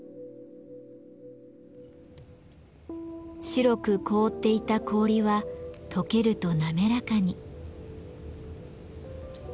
白く凍っていた氷はとけると滑らかに。